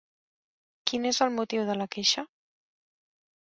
Quin és el motiu de la queixa?